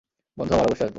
বন্ধু আমার, অবশ্যই আসব।